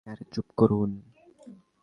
আরে চুপ করুন।